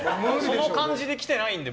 その感じで来てないので。